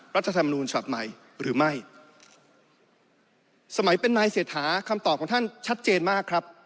รัฐธรรมนูญฉบับใหม่หรือไม่สมัยเป็นนายเศรษฐาคำตอบของท่านชัดเจนมากครับ